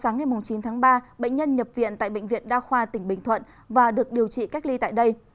ngày chín tháng ba bệnh nhân nhập viện tại bệnh viện đa khoa tỉnh bình thuận và được điều trị cách ly tại đây